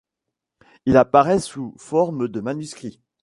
Il apparait sous forme de manuscrit.